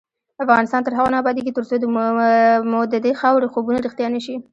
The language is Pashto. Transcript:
افغانستان تر هغو نه ابادیږي، ترڅو مو ددې خاورې خوبونه رښتیا نشي.